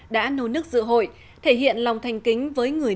đã nôn nước dự hội thể hiện lòng thành kính với người